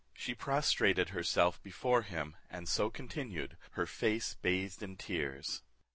She prostrated herself before him, and so continued, her face bathed in tears.